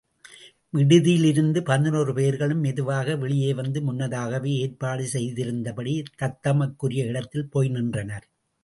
விடுதியிலிருந்த பதினொரு பேர்களும் மெதுவாக வெளியே வந்து முன்னதாகவே ஏற்பாடு செய்திருந்தபடி, தத்தமக்குரிய இடத்தில் போய் நின்றனர்.